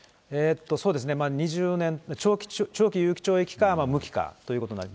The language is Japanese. そうですね、２０年、長期有期懲役か無期かということになります。